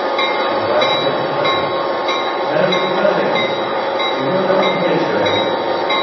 She brightened at the hope. "No, nothink. He will not hear to it."